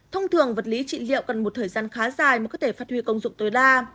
thông thường vật lý trị liệu cần một thời gian khá dài mới có thể phát huy công dụng tối đa